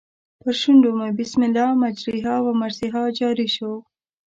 پر شونډو مې بسم الله مجریها و مرسیها جاري شو.